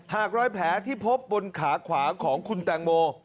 รอยแผลที่พบบนขาขวาของคุณแตงโม